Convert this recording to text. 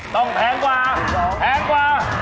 ต้องแพงกว่าแพงกว่า